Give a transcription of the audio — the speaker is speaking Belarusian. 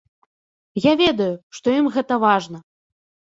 Я ведаю, што ім гэта важна.